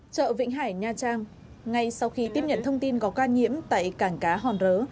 chợ vĩnh hải nha trang ngay sau khi tiếp nhận thông tin có ca nhiễm tại cảng cá hòn rớ